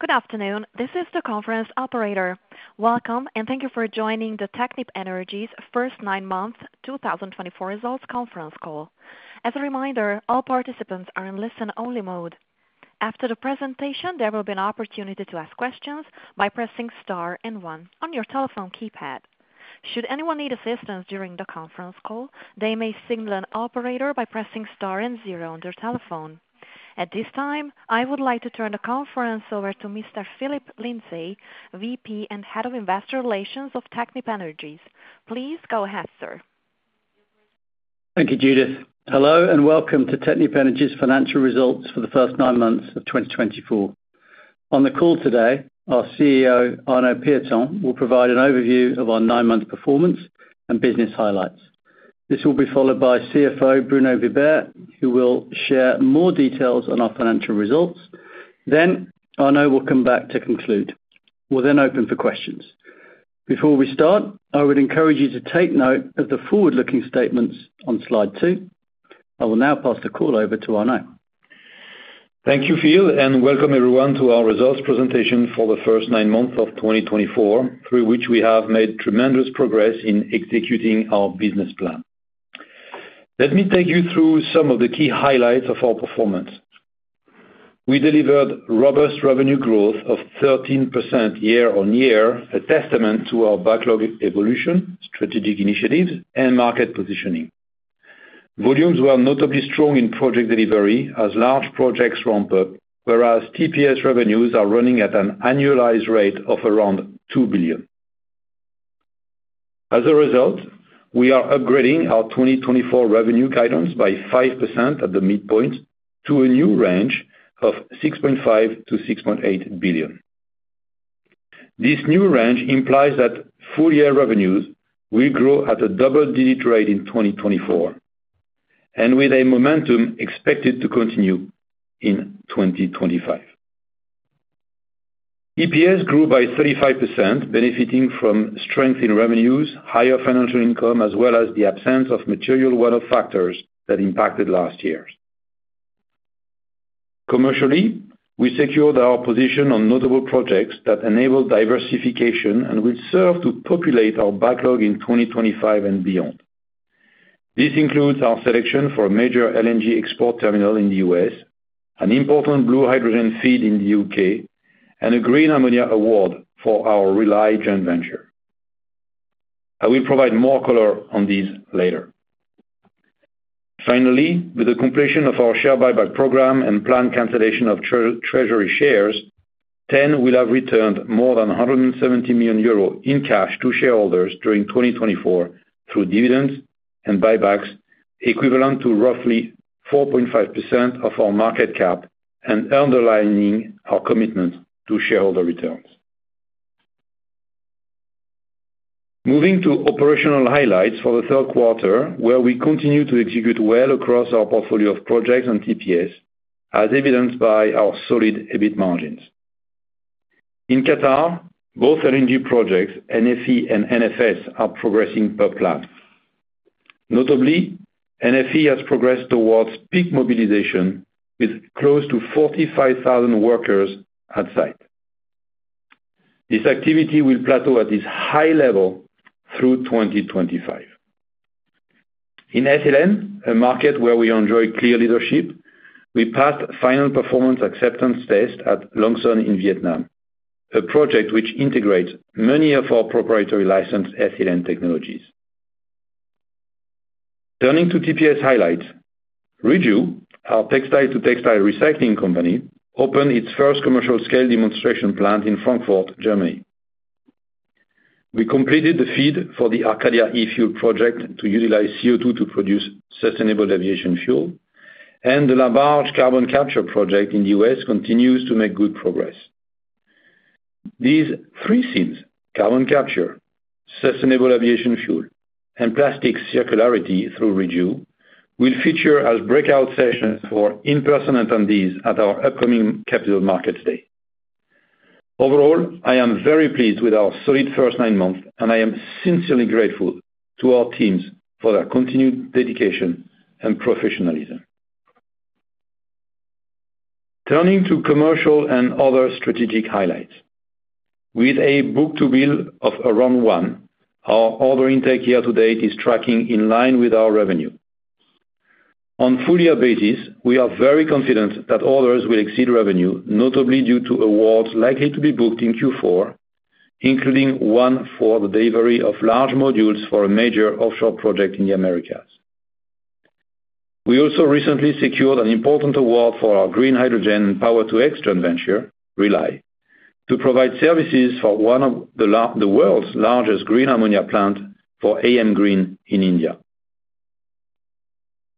Good afternoon. This is the conference operator. Welcome, and thank you for joining the Technip Energies first nine-month 2024 results conference call. As a reminder, all participants are in listen-only mode. After the presentation, there will be an opportunity to ask questions by pressing star and one on your telephone keypad. Should anyone need assistance during the conference call, they may signal an operator by pressing star and zero on their telephone. At this time, I would like to turn the conference over to Mr. Phillip Lindsay, VP and Head of Investor Relations of Technip Energies. Please go ahead, sir. Thank you, Judith. Hello, and welcome to Technip Energies' financial results for the first nine months of 2024. On the call today, our CEO, Arnaud Pieton, will provide an overview of our nine-month performance and business highlights. This will be followed by CFO Bruno Vibert, who will share more details on our financial results. Then Arnaud will come back to conclude. We'll then open for questions. Before we start, I would encourage you to take note of the forward-looking statements on slide two. I will now pass the call over to Arnaud. Thank you, Phil, and welcome everyone to our results presentation for the first nine months of 2024, through which we have made tremendous progress in executing our business plan. Let me take you through some of the key highlights of our performance. We delivered robust revenue growth of 13% year-on-year, a testament to our backlog evolution, strategic initiatives, and market positioning. Volumes were notably strong in project delivery as large projects ramp up, whereas TPS revenues are running at an annualized rate of around 2 billion. As a result, we are upgrading our 2024 revenue guidance by 5% at the midpoint to a new range of 6.5-6.8 billion. This new range implies that full-year revenues will grow at a double-digit rate in 2024, and with a momentum expected to continue in 2025. EPS grew by 35%, benefiting from strength in revenues, higher financial income, as well as the absence of material weather factors that impacted last year. Commercially, we secured our position on notable projects that enabled diversification and will serve to populate our backlog in 2025 and beyond. This includes our selection for a major LNG export terminal in the U.S., an important blue hydrogen FEED in the U.K., and a green ammonia award for our Rely Joint Venture. I will provide more color on these later. Finally, with the completion of our share buyback program and planned cancellation of treasury shares, TEN will have returned more than 170 million euro in cash to shareholders during 2024 through dividends and buybacks equivalent to roughly 4.5% of our market cap and underlining our commitment to shareholder returns. Moving to operational highlights for the third quarter, where we continue to execute well across our portfolio of projects and TPS, as evidenced by our solid EBIT margins. In Qatar, both LNG projects, NFE, and NFS are progressing per plan. Notably, NFE has progressed towards peak mobilization with close to 45,000 workers at site. This activity will plateau at this high level through 2025. In ethylene, a market where we enjoy clear leadership, we passed final performance acceptance test at Long Son in Vietnam, a project which integrates many of our proprietary licensed ethylene technologies. Turning to TPS highlights, Reju, our textile-to-textile recycling company, opened its first commercial scale demonstration plant in Frankfurt, Germany. We completed the FEED for the Arcadia eFuels project to utilize CO2 to produce sustainable aviation fuel, and the LaBarge carbon capture project in the US continues to make good progress. These three themes, carbon capture, sustainable aviation fuel, and plastic circularity through Reju, will feature as breakout sessions for in-person attendees at our upcoming Capital Markets Day. Overall, I am very pleased with our solid first nine months, and I am sincerely grateful to our teams for their continued dedication and professionalism. Turning to commercial and other strategic highlights. With a book-to-bill of around one, our order intake year-to-date is tracking in line with our revenue. On a full-year basis, we are very confident that orders will exceed revenue, notably due to awards likely to be booked in Q4, including one for the delivery of large modules for a major offshore project in the Americas. We also recently secured an important award for our green hydrogen and power-to-X venture, Rely, to provide services for one of the world's largest green ammonia plants for AM Green in India.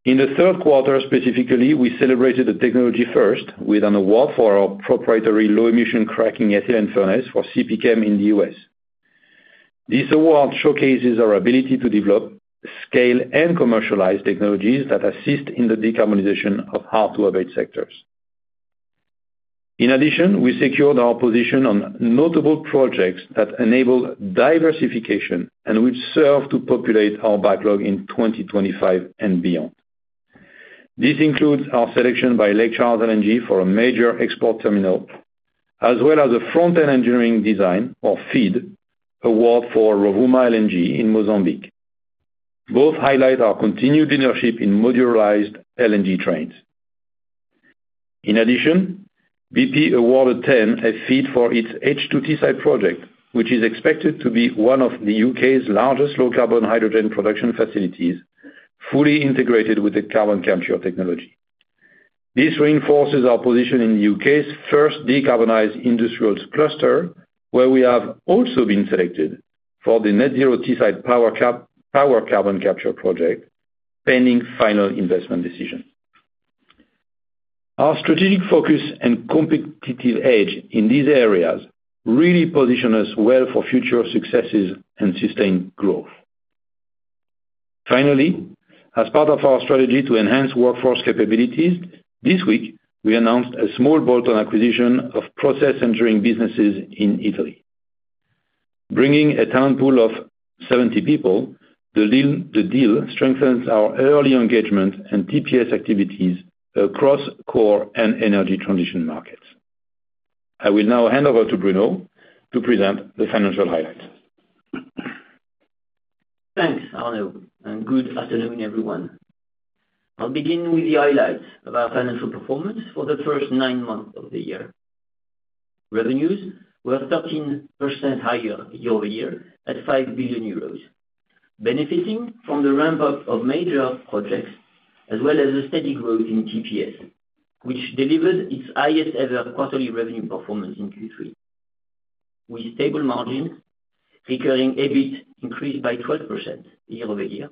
In the third quarter, specifically, we celebrated the technology first with an award for our proprietary low-emission cracking ethylene furnace for CPChem in the U.S. This award showcases our ability to develop, scale, and commercialize technologies that assist in the decarbonization of hard-to-abate sectors. In addition, we secured our position on notable projects that enable diversification and will serve to populate our backlog in 2025 and beyond. This includes our selection by Lake Charles LNG for a major export terminal, as well as a front-end engineering design, or FEED, award for Rovuma LNG in Mozambique. Both highlight our continued leadership in modularized LNG trains. In addition, BP awarded TEN a FEED for its H2Teesside project, which is expected to be one of the U.K.'s largest low-carbon hydrogen production facilities, fully integrated with the carbon capture technology. This reinforces our position in the UK's first decarbonized industrials cluster, where we have also been selected for the Net Zero Teesside Power carbon capture project, pending final investment decision. Our strategic focus and competitive edge in these areas really position us well for future successes and sustained growth. Finally, as part of our strategy to enhance workforce capabilities, this week, we announced a small bolt-on acquisition of process engineering businesses in Italy. Bringing a talent pool of 70 people, the deal strengthens our early engagement and TPS activities across core and energy transition markets. I will now hand over to Bruno to present the financial highlights. Thanks, Arnaud, and good afternoon, everyone. I'll begin with the highlights of our financial performance for the first nine months of the year. Revenues were 13% higher year-over-year at 5 billion euros, benefiting from the ramp-up of major projects, as well as a steady growth in TPS, which delivered its highest-ever quarterly revenue performance in Q3. With stable margins, recurring EBIT increased by 12% year-over-year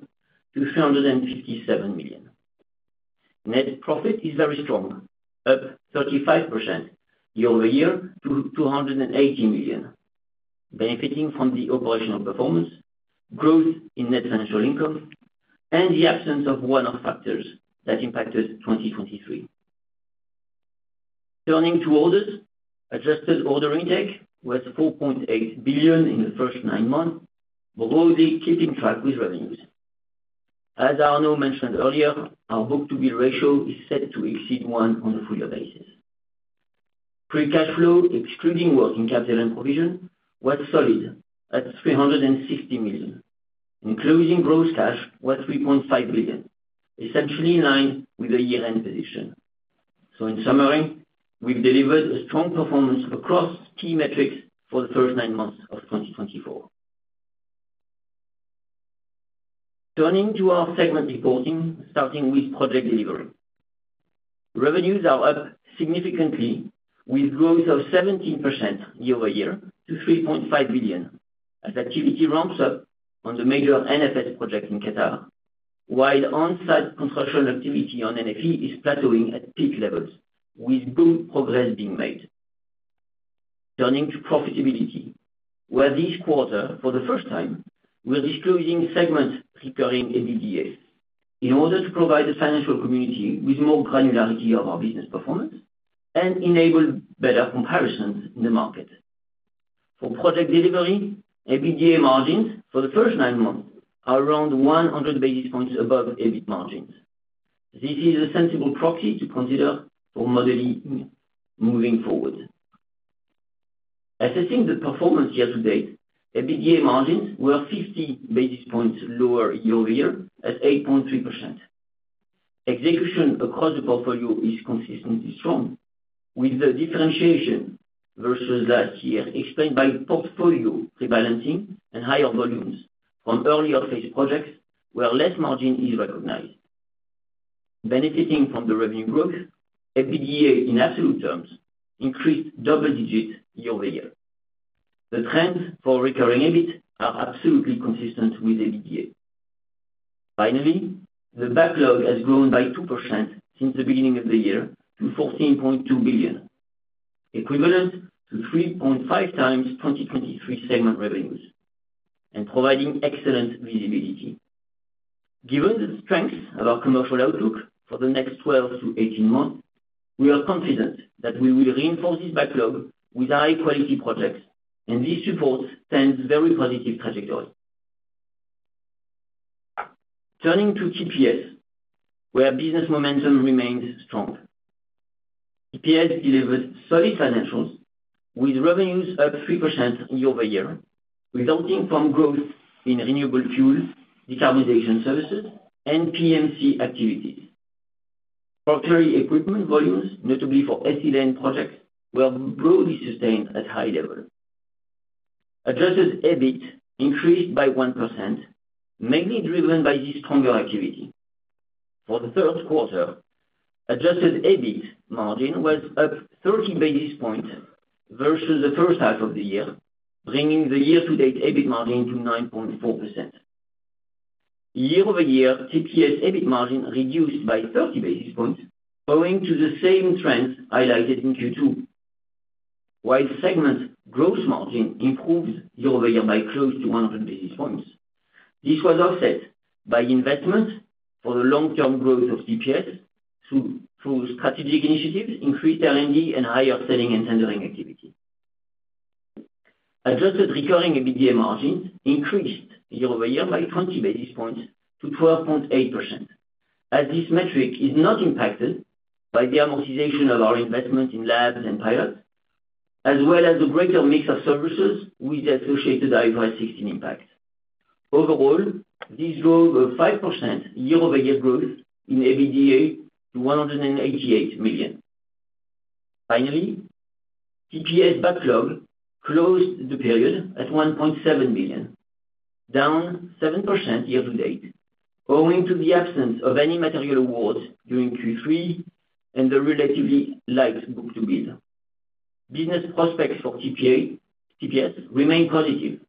to 357 million. Net profit is very strong, up 35% year-over-year to 280 million, benefiting from the operational performance, growth in net financial income, and the absence of weather factors that impacted 2023. Turning to orders, adjusted order intake was 4.8 billion in the first nine months, broadly keeping track with revenues. As Arnaud mentioned earlier, our book-to-build ratio is set to exceed one on a full-year basis. Free cash flow, excluding working capital and provision, was solid at 360 million, and closing gross cash was 3.5 billion, essentially in line with the year-end position. So, in summary, we've delivered a strong performance across key metrics for the first nine months of 2024. Turning to our segment reporting, starting with Project Delivery. Revenues are up significantly, with growth of 17% year-over-year to 3.5 billion, as activity ramps up on the major NFS project in Qatar, while on-site construction activity on NFE is plateauing at peak levels, with good progress being made. Turning to profitability, where this quarter, for the first time, we're disclosing segment recurring EBITDAs in order to provide the financial community with more granularity of our business performance and enable better comparisons in the market. For Project Delivery, EBITDA margins for the first nine months are around 100 basis points above EBIT margins. This is a sensible proxy to consider for modeling moving forward. Assessing the performance year-to-date, EBITDA margins were 50 basis points lower year-over-year at 8.3%. Execution across the portfolio is consistently strong, with the differentiation versus last year explained by portfolio rebalancing and higher volumes from earlier phase projects where less margin is recognized. Benefiting from the revenue growth, EBITDA in absolute terms increased double-digit year-over-year. The trends for recurring EBIT are absolutely consistent with EBITDA. Finally, the backlog has grown by 2% since the beginning of the year to 14.2 billion, equivalent to 3.5 times 2023 segment revenues, and providing excellent visibility. Given the strength of our commercial outlook for the next 12-18 months, we are confident that we will reinforce this backlog with high-quality projects, and this supports TEN's very positive trajectory. Turning to TPS, where business momentum remains strong. TPS delivered solid financials, with revenues up 3% year-over-year, resulting from growth in renewable fuels, decarbonization services, and PMC activities. Proprietary equipment volumes, notably for Ethylene projects, were broadly sustained at high level. Adjusted EBIT increased by 1%, mainly driven by this stronger activity. For the third quarter, adjusted EBIT margin was up 30 basis points versus the first half of the year, bringing the year-to-date EBIT margin to 9.4%. Year-over-year, TPS EBIT margin reduced by 30 basis points, owing to the same trends highlighted in Q2, while segment gross margin improved year-over-year by close to 100 basis points. This was offset by investment for the long-term growth of TPS through strategic initiatives, increased LNG, and higher selling and tendering activity. Adjusted recurring EBITDA margins increased year-over-year by 20 basis points to 12.8%, as this metric is not impacted by the amortization of our investment in labs and pilots, as well as the greater mix of services with the associated diversification impact. Overall, this drove a 5% year-over-year growth in EBITDA to 188 million. Finally, TPS backlog closed the period at 1.7 billion, down 7% year-to-date, owing to the absence of any material awards during Q3 and the relatively light book-to-build. Business prospects for TPS remain positive,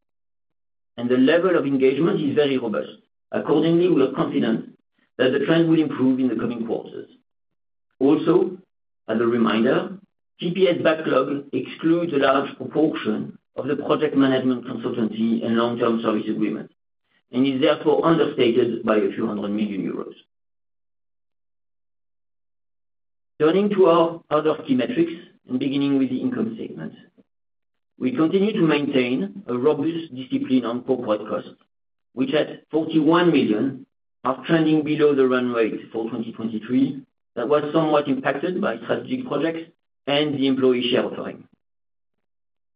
and the level of engagement is very robust. Accordingly, we are confident that the trends will improve in the coming quarters. Also, as a reminder, TPS backlog excludes a large proportion of the project management consultancy and long-term service agreements and is therefore understated by a few hundred million EUR. Turning to our other key metrics and beginning with the income statement, we continue to maintain a robust discipline on corporate costs, which at 41 million are trending below the run rate for 2023 that was somewhat impacted by strategic projects and the employee share offering.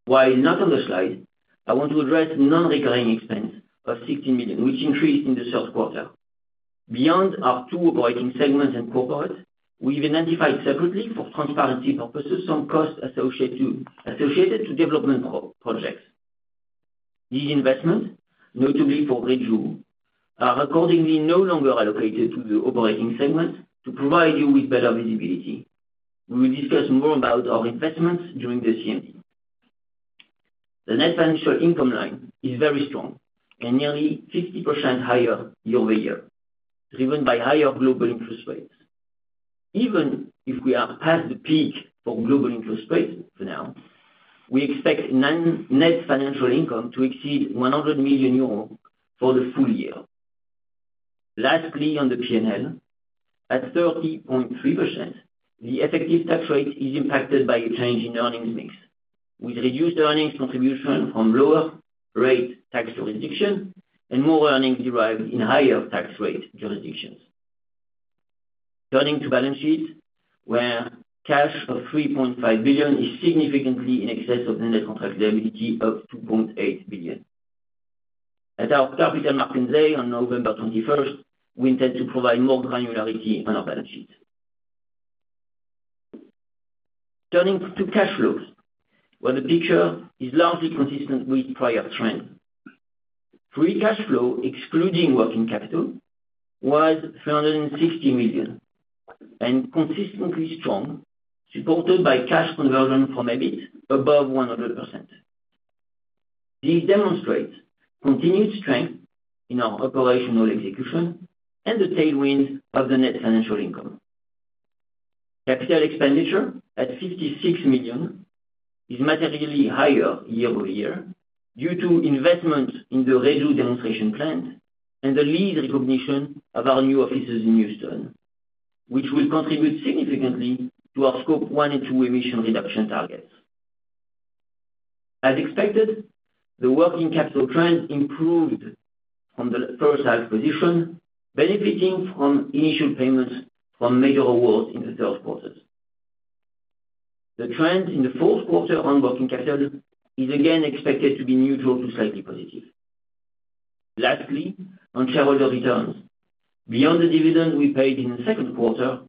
While not on the slide, I want to address non-recurring expense of 16 million, which increased in the third quarter. Beyond our two operating segments and corporate, we've identified separately for transparency purposes some costs associated to development projects. These investments, notably for Reju, are accordingly no longer allocated to the operating segment to provide you with better visibility. We will discuss more about our investments during the CMD. The net financial income line is very strong and nearly 50% higher year-over-year, driven by higher global interest rates. Even if we are past the peak for global interest rates for now, we expect net financial income to exceed 100 million euros for the full year. Lastly, on the P&L, at 30.3%, the effective tax rate is impacted by a change in earnings mix, with reduced earnings contribution from lower-rate tax jurisdiction and more earnings derived in higher tax rate jurisdictions. Turning to balance sheets, where cash of 3.5 billion is significantly in excess of the net contract liability of 2.8 billion. At our capital markets day on November 21st, we intend to provide more granularity on our balance sheet. Turning to cash flows, where the picture is largely consistent with prior trends. Free cash flow, excluding working capital, was 360 million and consistently strong, supported by cash conversion from EBIT above 100%. This demonstrates continued strength in our operational execution and the tailwind of the net financial income. Capital expenditure at 56 million is materially higher year-over-year due to investment in the Reju demonstration plant and the lease recognition of our new offices in Houston, which will contribute significantly to our Scope 1 and 2 emission reduction targets. As expected, the working capital trend improved from the first half position, benefiting from initial payments from major awards in the third quarter. The trend in the fourth quarter on working capital is again expected to be neutral to slightly positive. Lastly, on shareholder returns, beyond the dividends we paid in the second quarter,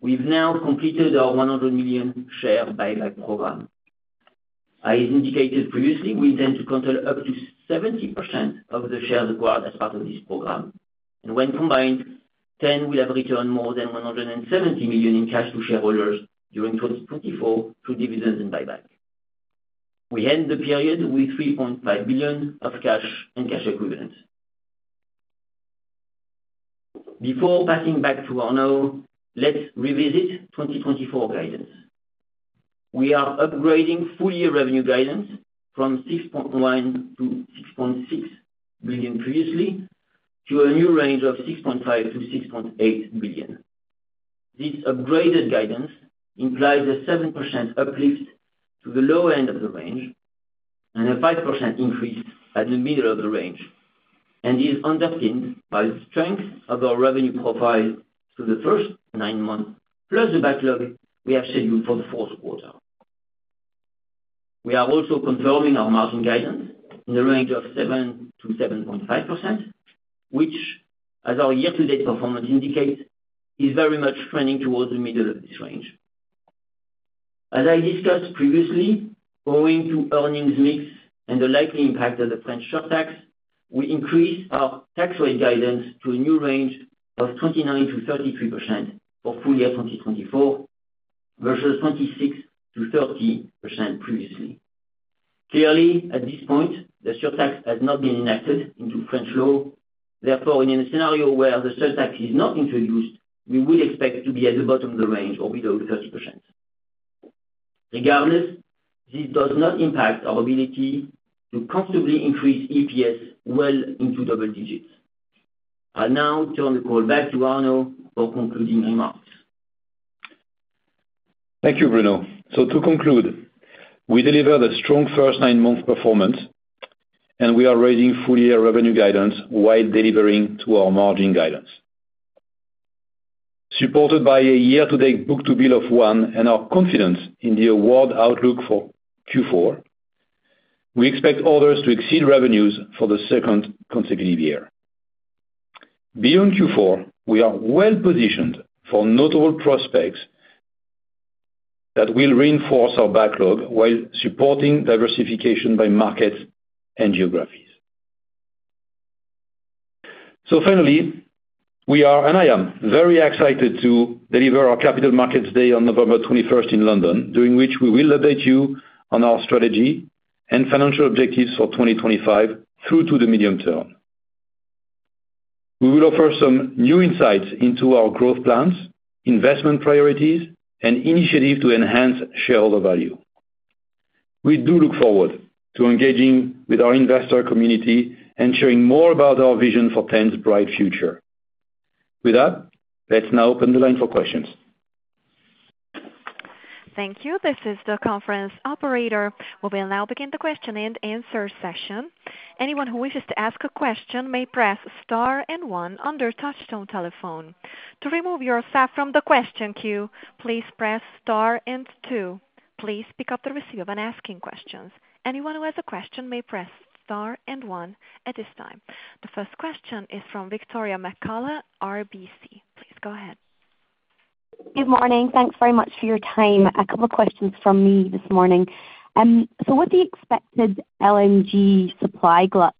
we've now completed our 100 million share buyback program. As indicated previously, we intend to cancel up to 70% of the shares acquired as part of this program, and when combined, TEN will have returned more than 170 million in cash to shareholders during 2024 through dividends and buyback. We end the period with 3.5 billion of cash and cash equivalents. Before passing back to Arnaud, let's revisit 2024 guidance. We are upgrading full-year revenue guidance from 6.1-6.6 billion previously to a new range of 6.5-6.8 billion. This upgraded guidance implies a 7% uplift to the lower end of the range and a 5% increase at the middle of the range, and is underpinned by the strength of our revenue profile through the first nine months plus the backlog we have scheduled for the fourth quarter. We are also confirming our margin guidance in the range of 7%-7.5%, which, as our year-to-date performance indicates, is very much trending towards the middle of this range. As I discussed previously, owing to earnings mix and the likely impact of the French surtax, we increase our tax rate guidance to a new range of 29%-33% for full year 2024 versus 26%-30% previously. Clearly, at this point, the surtax has not been enacted into French law. Therefore, in a scenario where the surtax is not introduced, we would expect to be at the bottom of the range or below the 30%. Regardless, this does not impact our ability to comfortably increase EPS well into double digits. I'll now turn the call back to Arnaud for concluding remarks. Thank you, Bruno. So, to conclude, we delivered a strong first nine-month performance, and we are raising full-year revenue guidance while delivering to our margin guidance. Supported by a year-to-date book-to-build of one and our confidence in the award outlook for Q4, we expect orders to exceed revenues for the second consecutive year. Beyond Q4, we are well-positioned for notable prospects that will reinforce our backlog while supporting diversification by markets and geographies. So, finally, we are, and I am, very excited to deliver our Capital Markets Day on November 21st in London, during which we will update you on our strategy and financial objectives for 2025 through to the medium term. We will offer some new insights into our growth plans, investment priorities, and initiatives to enhance shareholder value. We do look forward to engaging with our investor community and sharing more about our vision for TEN's bright future. With that, let's now open the line for questions. Thank you. This is the conference operator. We will now begin the question and answer session. Anyone who wishes to ask a question may press star and one on a touch-tone telephone. To remove yourself from the question queue, please press star and two. Please pick up your receiver when asking questions. Anyone who has a question may press star and one at this time. The first question is from Victoria McCulloch, RBC. Please go ahead. Good morning. Thanks very much for your time. A couple of questions from me this morning. So, with the expected LNG supply glut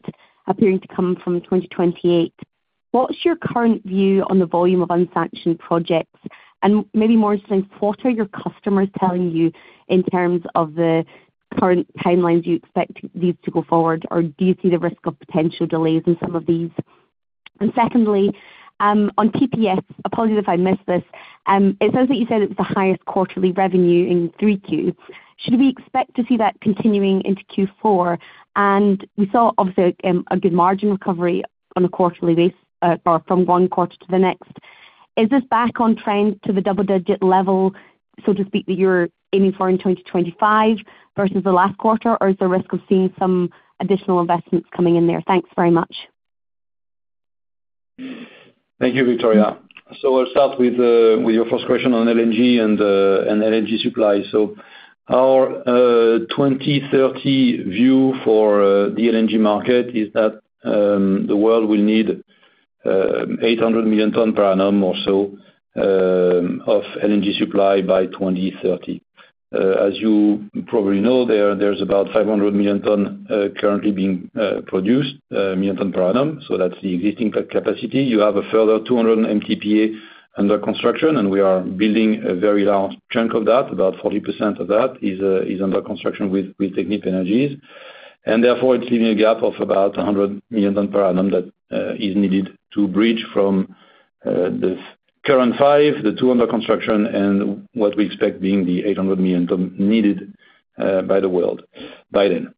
appearing to come from 2028, what's your current view on the volume of unsanctioned projects? And maybe more interesting, what are your customers telling you in terms of the current timelines you expect these to go forward, or do you see the risk of potential delays in some of these? And secondly, on TPS, apologies if I missed this, it sounds like you said it was the highest quarterly revenue in three Qs. Should we expect to see that continuing into Q4? And we saw, obviously, a good margin recovery on a quarterly basis from one quarter to the next. Is this back on trend to the double-digit level, so to speak, that you're aiming for in 2025 versus the last quarter, or is there a risk of seeing some additional investments coming in there? Thanks very much. Thank you, Victoria. So, I'll start with your first question on LNG and LNG supply. So, our 2030 view for the LNG market is that the world will need 800 million tonnes per annum or so of LNG supply by 2030. As you probably know, there's about 500 million tonnes currently being produced, million tonnes per annum. So, that's the existing capacity. You have a further 200 MTPA under construction, and we are building a very large chunk of that. About 40% of that is under construction with Technip Energies. And therefore, it's leaving a gap of about 100 million tonnes per annum that is needed to bridge from the current five, the two under construction, and what we expect being the 800 million tonnes needed by the world by then.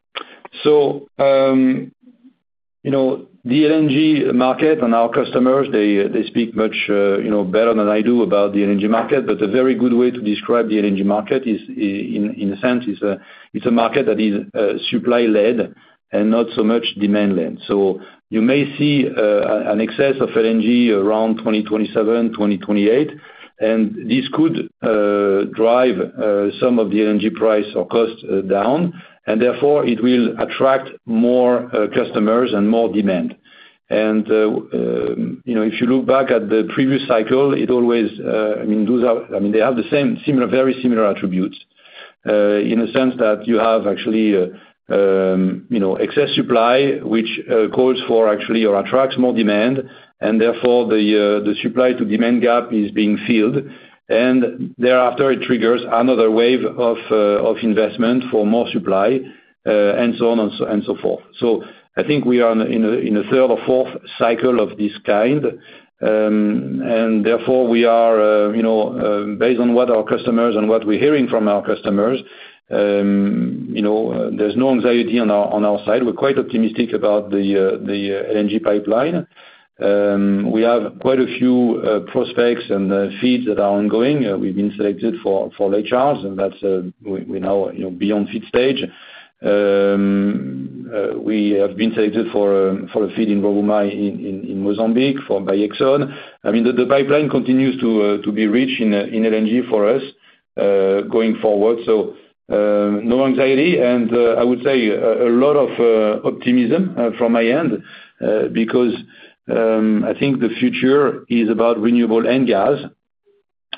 So, you know, the LNG market and our customers, they speak much better than I do about the LNG market, but a very good way to describe the LNG market is, in a sense, it's a market that is supply-led and not so much demand-led. So, you may see an excess of LNG around 2027, 2028, and this could drive some of the LNG price or cost down, and therefore, it will attract more customers and more demand. And if you look back at the previous cycle, it always, I mean, those are, I mean, they have the same, similar, very similar attributes in the sense that you have actually excess supply, which calls for actually or attracts more demand, and therefore, the supply-to-demand gap is being filled, and thereafter, it triggers another wave of investment for more supply and so on and so forth. So, I think we are in a third or fourth cycle of this kind, and therefore, we are, based on what our customers and what we're hearing from our customers, there's no anxiety on our side. We're quite optimistic about the LNG pipeline. We have quite a few prospects and feeds that are ongoing. We've been selected for Lake Charles. We're now beyond feed stage. We have been selected for a feed in Rovuma in Mozambique by Exxon. I mean, the pipeline continues to be rich in LNG for us going forward. So, no anxiety, and I would say a lot of optimism from my end because I think the future is about renewable and gas,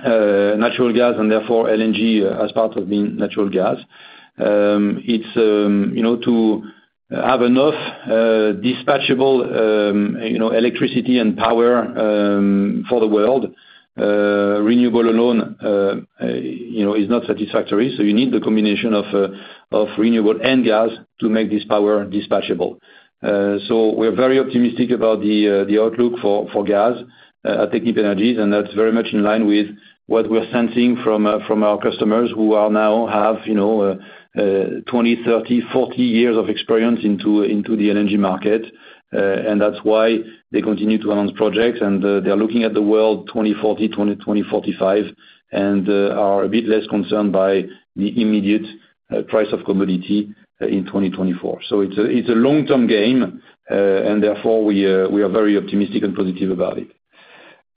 natural gas, and therefore, LNG as part of being natural gas. It's to have enough dispatchable electricity and power for the world. Renewable alone is not satisfactory, so you need the combination of renewable and gas to make this power dispatchable. So, we're very optimistic about the outlook for gas at Technip Energies, and that's very much in line with what we're sensing from our customers who now have 20, 30, 40 years of experience into the LNG market, and that's why they continue to announce projects, and they're looking at the world 2040, 2045, and are a bit less concerned by the immediate price of commodity in 2024. So, it's a long-term game, and therefore, we are very optimistic and positive about it.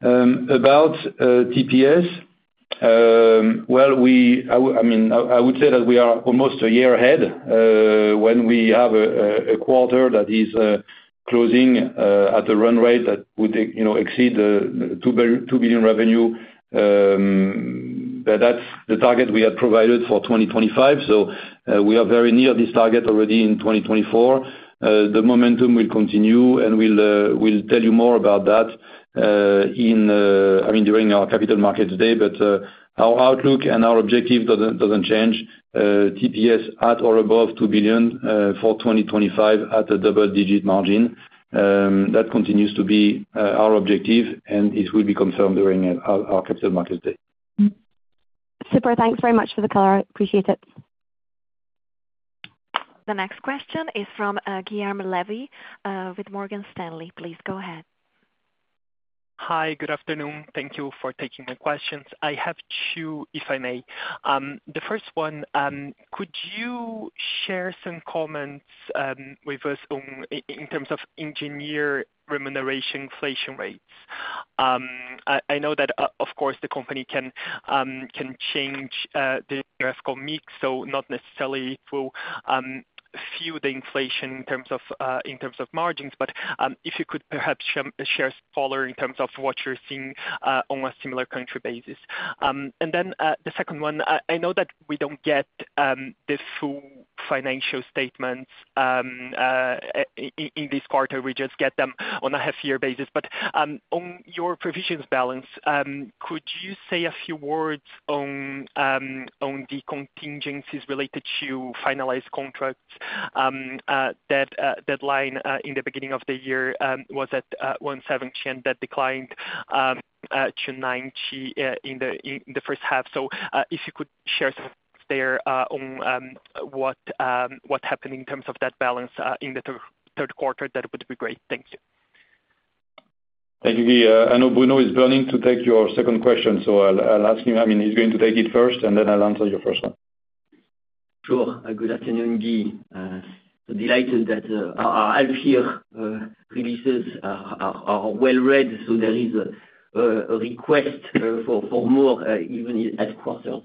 About TPS, well, I mean, I would say that we are almost a year ahead when we have a quarter that is closing at a run rate that would exceed the 2 billion revenue. That's the target we had provided for 2025, so we are very near this target already in 2024. The momentum will continue, and we'll tell you more about that, I mean, during our Capital Markets Day, but our outlook and our objective doesn't change. TPS at or above 2 billion for 2025 at a double-digit margin. That continues to be our objective, and it will be confirmed during our Capital Markets Day. Super. Thanks very much for the call. I appreciate it. The next question is from Guilherme Levy with Morgan Stanley. Please go ahead. Hi, good afternoon. Thank you for taking my questions. I have two, if I may. The first one, could you share some comments with us in terms of engineer remuneration inflation rates? I know that, of course, the company can change the contract mix, so not necessarily fuel the inflation in terms of margins, but if you could perhaps share some more in terms of what you're seeing on a country-by-country basis. And then the second one, I know that we don't get the full financial statements in this quarter. We just get them on a half-year basis. But on your provisions balance, could you say a few words on the contingencies related to finalized contracts? That line in the beginning of the year was at 170, and that declined to 90 in the first half. If you could share there on what happened in terms of that balance in the third quarter, that would be great. Thank you. Thank you, Guy. I know Bruno is burning to take your second question, so I'll ask him. I mean, he's going to take it first, and then I'll answer your first one. Sure. Good afternoon, Guy. Delighted that our half-year results are well received, so there is a request for more even quarter-to-quarter.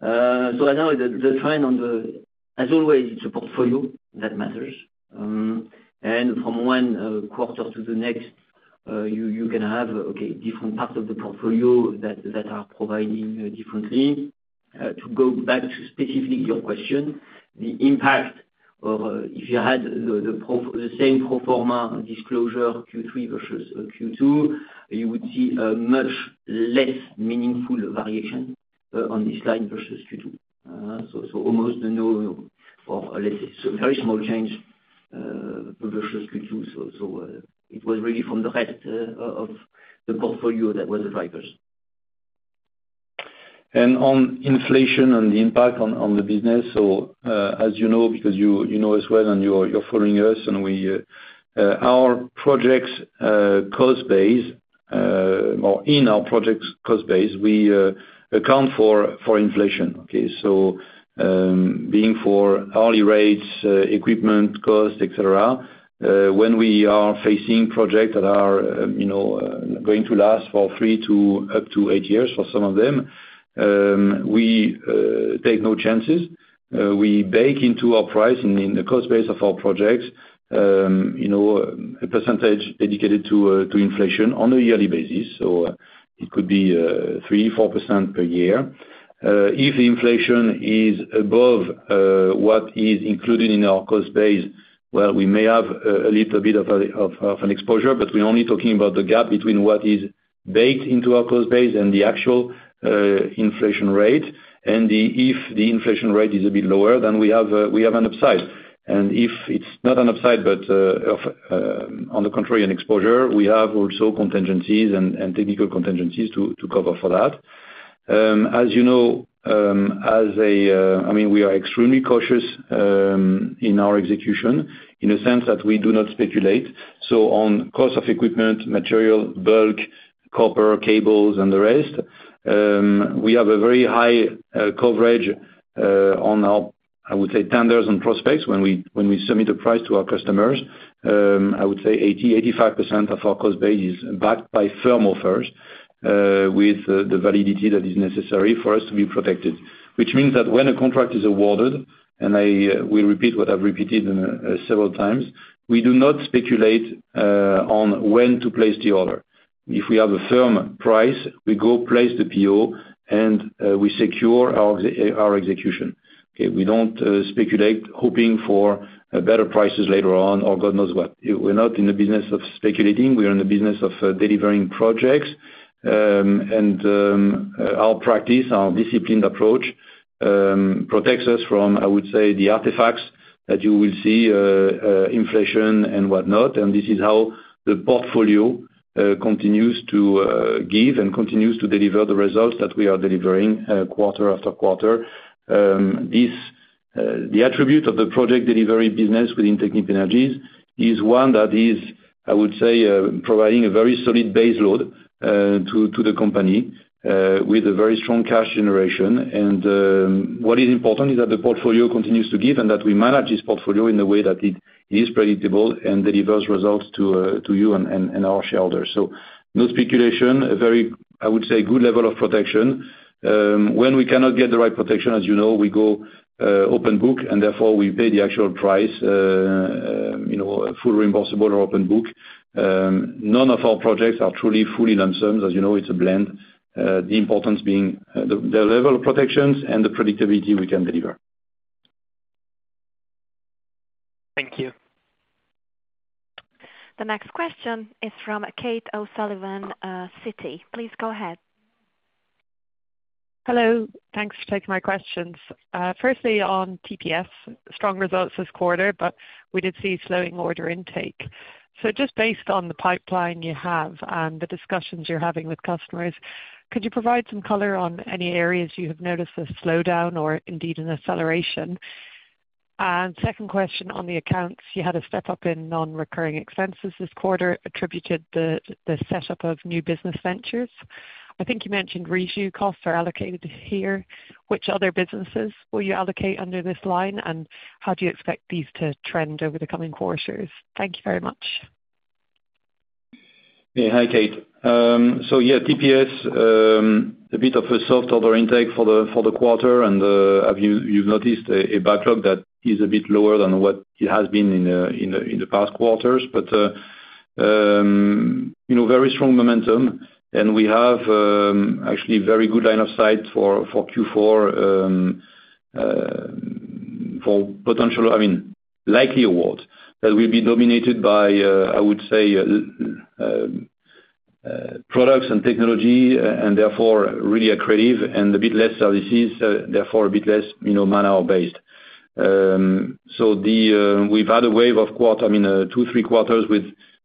So, right now, the trend on the, as always, it's a portfolio that matters. And from one quarter to the next, you can have different parts of the portfolio that are performing differently. To go back to specifically your question, the impact of if you had the same pro forma disclosure Q3 versus Q2, you would see a much less meaningful variation on this line versus Q2. So, almost no or very small change versus Q2. So, it was really from the rest of the portfolio that was the drivers. On inflation and the impact on the business, so, as you know, because you know as well and you're following us, in our projects cost base, we account for inflation. So, being for hourly rates, equipment cost, etc., when we are facing projects that are going to last for three to up to eight years for some of them, we take no chances. We bake into our price and in the cost base of our projects a percentage dedicated to inflation on a yearly basis. So, it could be 3%-4% per year. If the inflation is above what is included in our cost base, well, we may have a little bit of an exposure, but we're only talking about the gap between what is baked into our cost base and the actual inflation rate. If the inflation rate is a bit lower, then we have an upside. If it's not an upside, but on the contrary, an exposure, we have also contingencies and technical contingencies to cover for that. As you know, as a, I mean, we are extremely cautious in our execution in the sense that we do not speculate. On cost of equipment, material, bulk, copper, cables, and the rest, we have a very high coverage on our, I would say, tenders and prospects when we submit a price to our customers. I would say 80%-85% of our cost base is backed by firm offers with the validity that is necessary for us to be protected, which means that when a contract is awarded, and I will repeat what I've repeated several times, we do not speculate on when to place the order. If we have a firm price, we go place the PO, and we secure our execution. We don't speculate hoping for better prices later on or God knows what. We're not in the business of speculating. We're in the business of delivering projects, and our practice, our disciplined approach protects us from, I would say, the artifacts that you will see, inflation and whatnot. And this is how the portfolio continues to give and continues to deliver the results that we are delivering quarter after quarter. The attribute of the project delivery business within Technip Energies is one that is, I would say, providing a very solid baseload to the company with a very strong cash generation. And what is important is that the portfolio continues to give and that we manage this portfolio in a way that it is predictable and delivers results to you and our shareholders. So, no speculation, a very, I would say, good level of protection. When we cannot get the right protection, as you know, we go open book, and therefore, we pay the actual price, full reimbursable or open book. None of our projects are truly fully lump sums. As you know, it's a blend, the importance being the level of protections and the predictability we can deliver. Thank you. The next question is from Kate O'Sullivan, Citi. Please go ahead. Hello. Thanks for taking my questions. First, on TPS, strong results this quarter, but we did see slowing order intake. So, just based on the pipeline you have and the discussions you're having with customers, could you provide some color on any areas you have noticed a slowdown or indeed an acceleration? And second question on the accounts, you had a step up in non-recurring expenses this quarter attributed to the setup of new business ventures. I think you mentioned Reju costs are allocated here. Which other businesses will you allocate under this line, and how do you expect these to trend over the coming quarters? Thank you very much. Yeah. Hi, Kate. So, yeah, TPS, a bit of a soft order intake for the quarter, and you've noticed a backlog that is a bit lower than what it has been in the past quarters, but very strong momentum, and we have actually a very good line of sight for Q4 for potential, I mean, likely awards that will be dominated by, I would say, products and technology, and therefore, really accredited and a bit less services, therefore, a bit less man-hour based, so we've had a wave of quarters, I mean, two, three quarters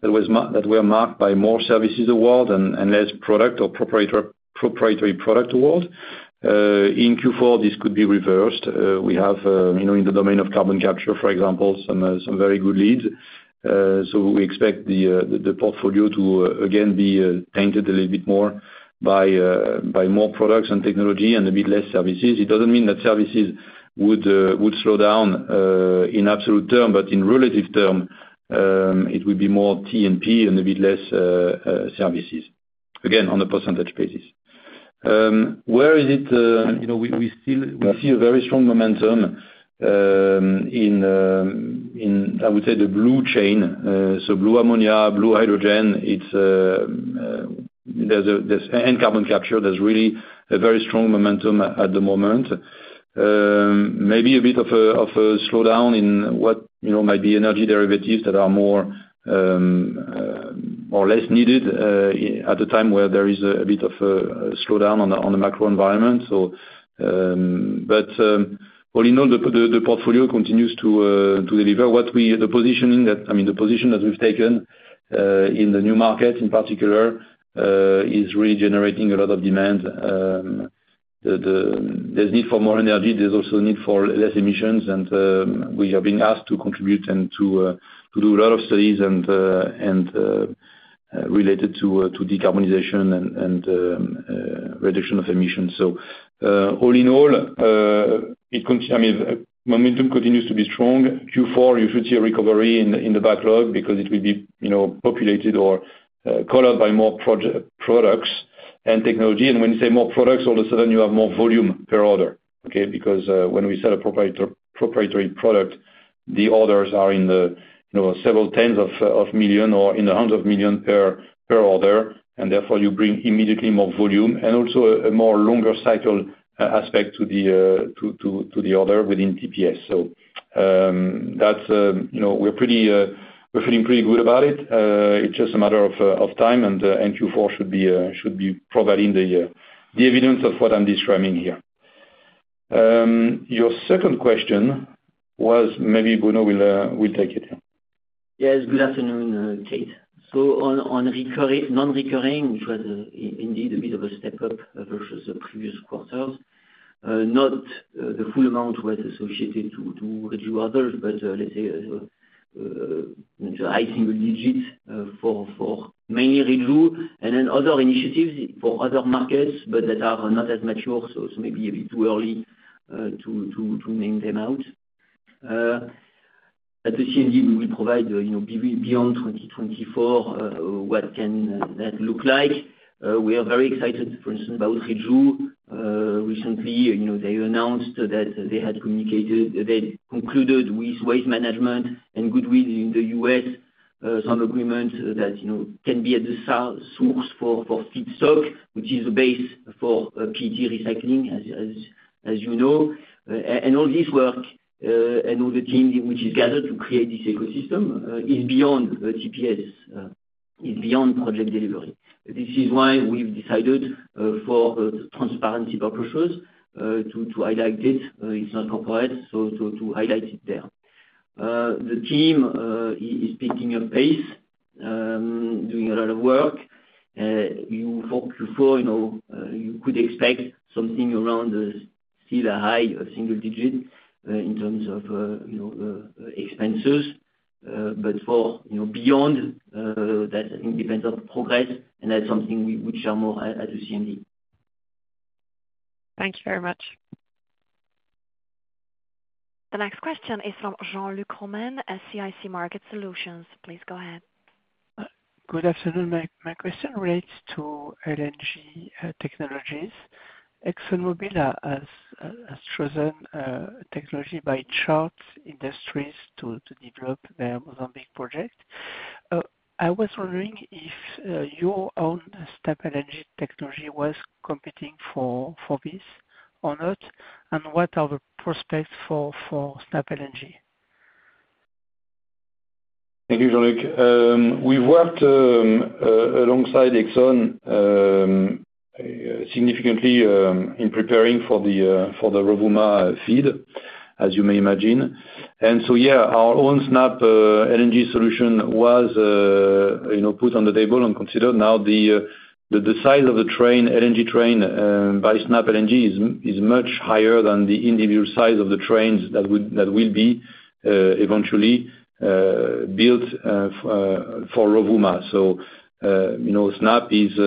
that were marked by more services awards and less product or proprietary product awards. In Q4, this could be reversed. We have, in the domain of carbon capture, for example, some very good leads. We expect the portfolio to, again, be tainted a little bit more by more products and technology and a bit less services. It doesn't mean that services would slow down in absolute term, but in relative term, it would be more T and P and a bit less services, again, on a percentage basis. Where is it? We see a very strong momentum in, I would say, the blue chain. Blue ammonia, blue hydrogen, and carbon capture. There's really a very strong momentum at the moment. Maybe a bit of a slowdown in what might be energy derivatives that are more or less needed at a time where there is a bit of a slowdown on the macro environment, but all in all, the portfolio continues to deliver. The positioning that, I mean, the position that we've taken in the new markets in particular is really generating a lot of demand. There's need for more energy. There's also a need for less emissions, and we have been asked to contribute and to do a lot of studies related to decarbonization and reduction of emissions. So, all in all, I mean, momentum continues to be strong. Q4, you should see a recovery in the backlog because it will be populated or colored by more products and technology. And when you say more products, all of a sudden, you have more volume per order, okay, because when we sell a proprietary product, the orders are in the several tens of millions or in the hundreds of millions per order, and therefore, you bring immediately more volume and also a more longer cycle aspect to the order within TPS. So, we're feeling pretty good about it. It's just a matter of time, and Q4 should be providing the evidence of what I'm describing here. Your second question was maybe Bruno will take it. Yes. Good afternoon, Kate. So, on non-recurring, which was indeed a bit of a step up versus the previous quarters, not the full amount was associated to Reju orders, but let's say a high single digit for mainly Reju and then other initiatives for other markets, but that are not as mature. So, maybe a bit too early to name them out. At the CMD, we will provide beyond 2024 what can that look like. We are very excited, for instance, about Reju. Recently, they announced that they had concluded with Waste Management and Goodwill in the U.S., some agreements that can be at the source for feedstock, which is the base for PET recycling, as you know. And all this work and all the team which is gathered to create this ecosystem is beyond TPS, is beyond Project Delivery. This is why we've decided for transparency purposes to highlight it. It's not corporate, so to highlight it there. The team is picking up pace, doing a lot of work. You could expect something around still a high single digit in terms of expenses, but for beyond that, I think it depends on progress, and that's something we would share more at the CMD. Thank you very much. The next question is from Jean-Luc Romain at CIC Market Solutions. Please go ahead. Good afternoon. My question relates to LNG technologies. ExxonMobil has chosen technology by Chart Industries to develop their Mozambique project. I was wondering if your own SNAP LNG technology was competing for this or not, and what are the prospects for SNAP LNG? Thank you, Jean-Luc. We've worked alongside Exxon significantly in preparing for the Rovuma FEED, as you may imagine. And so, yeah, our own SNAP LNG solution was put on the table and considered. Now, the size of the LNG train by SNAP LNG is much higher than the individual size of the trains that will be eventually built for Rovuma. So, SNAP is